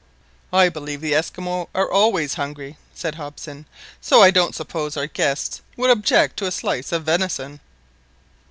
"I believe the Esquimaux are always hungry," said Hobson, "so I don't suppose our guests would object to a slice of venison."